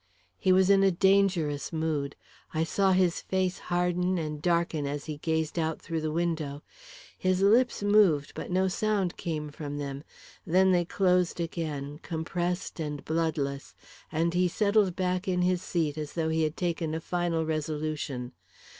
He was in a dangerous mood. I saw his face harden and darken as he gazed out through the window. His lips moved, but no sound came from them. Then they closed again, compressed and bloodless, and he settled back in his seat as though he had taken a final resolution.